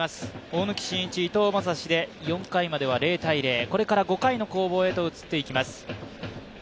大貫晋一、伊藤将司で４回までは０−０、これから５回の攻防へと移っていきます。